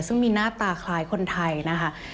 ซึ่งมีหน้าตาคล้ายคนไทยนะคะ